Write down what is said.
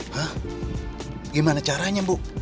hah gimana caranya bu